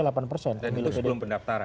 dan itu sebelum pendaftaran